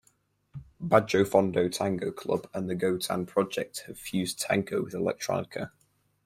Bajofondo Tango Club and the Gotan Project have fused tango with electronica.